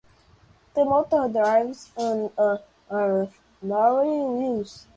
The motor drives one or more wheels.